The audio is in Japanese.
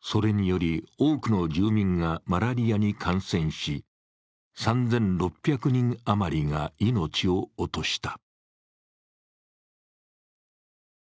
それにより多くの住民がマラリアに感染し、３６００人余りが命を落とした。